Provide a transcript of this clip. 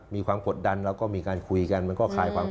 มีความกดดันแล้วก็มีการคุยกัน